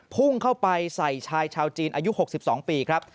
พุ่งเข้าไปใส่ชายชาวจีนอายุ๖๒ปีครับ